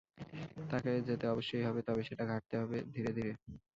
তাকে যেতে অবশ্যই হবে, তবে সেটা ঘটতে হবে ধীরে ধীরে।